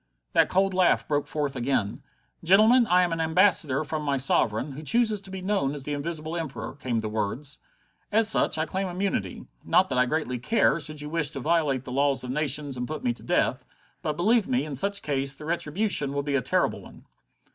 That cold laugh broke forth again. "Gentlemen, I am an ambassador from my sovereign, who chooses to be known as the Invisible Emperor," came the words. "As such, I claim immunity. Not that I greatly care, should you wish to violate the laws of nations and put me to death. But, believe me, in such case the retribution will be a terrible one."